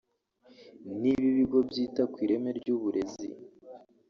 niba ibigo byita ku ireme ry’uburezi